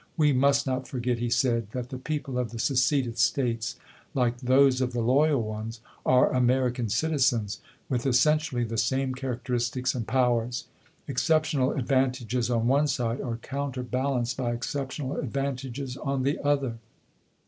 " We must not forget," he said, " that the people of the seceded States, like those of the loyal ones, are American citizens, with essentially the same char acteristics and powers. Exceptional advantages on one side are counterbalanced by exceptional advantages on the other.